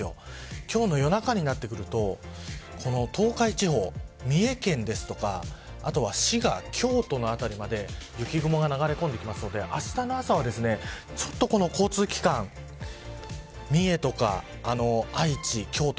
今日の夜中になってくると東海地方、三重県ですとかあとは滋賀、京都の辺りまで雪雲が流れ込んでくるのであしたの朝は交通機関三重とか愛知、京都